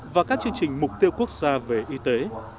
và các chương trình mục tiêu quốc gia về y tế